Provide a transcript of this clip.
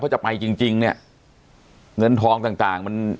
จะไปจริงจริงเนี่ยเงินทองต่างต่างมัน